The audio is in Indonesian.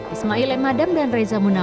ismail m adam dan reza munawarah